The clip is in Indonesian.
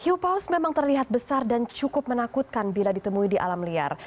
hiu paus memang terlihat besar dan cukup menakutkan bila ditemui di alam liar